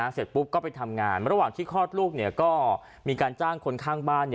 เสร็จปุ๊บก็ไปทำงานระหว่างที่คลอดลูกก็มีการจ้างคนข้างบ้าน